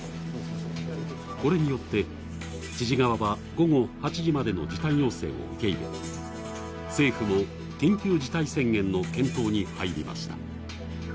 これによって知事側は午後８時までの時短要請を受け入れ、政府も、緊急事態宣言の検討に入りました。